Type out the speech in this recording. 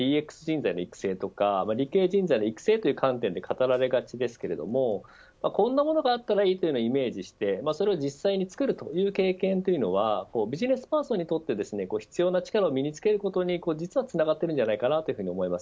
プログラミングというとどうしてもＤＸ人材の育成や理系人材の育成という観点で語られがちですがこんなものがあったらいいというものをイメージしてそれを実際に作るという経験というのはビジネスパーソンにとって必要な力を身につけることにつながっていると思います。